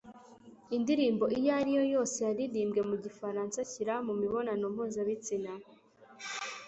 Indirimbo iyo ari yo yose yaririmbwe mu gifaransa anshyira mu mibonano mpuzabitsina